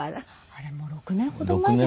あれもう６年ほど前ですかね。